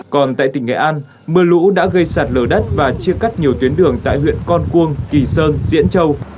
còn tại tỉnh nghệ an mưa lũ đã gây sạt lở đất và chia cắt nhiều tuyến đường tại huyện con cuông kỳ sơn diễn châu